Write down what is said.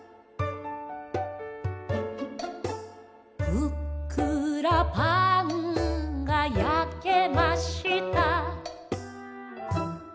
「ふっくらパンが焼けました」